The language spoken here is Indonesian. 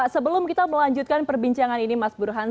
sebelum kita melanjutkan perbincangan ini mas burhan